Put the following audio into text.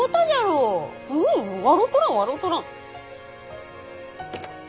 ううん笑うとらん笑うとらん。